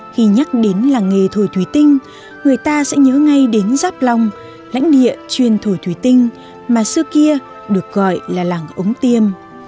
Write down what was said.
khi nhắc đến làng nghề thổi thủy tinh người ta sẽ nhớ ngay đến giáp long lãnh địa chuyên thổi thủy tinh mà xưa kia được gọi là làng ống tiêm